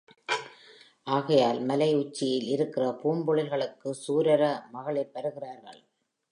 ஆகையால் மலை உச்சியில் இருக்கிற பூம்பொழில்களுக்கு சூரர மகளிர் வருகிறார்கள்.